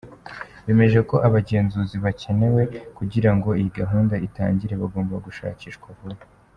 Bemeje ko abagenzuzi bakenewe kugira ngo iyi gahunda itangire bagomba gushakishwa vuba.